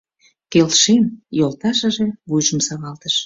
— Келшем, — йолташыже вуйжым савалтыш.